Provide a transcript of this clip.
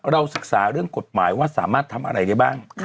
ศึกษาเรื่องกฎหมายว่าสามารถทำอะไรได้บ้าง